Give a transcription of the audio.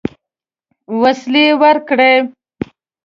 وسلې ورکړې.